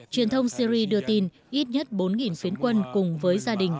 truyền thông syri đưa tin ít nhất bốn phiến quân cùng với gia đình